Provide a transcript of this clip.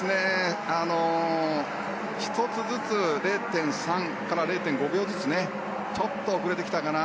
１つずつ、０．３から０．５ずつちょっと、遅れてきたかな。